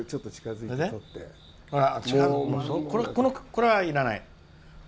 これは、いらない。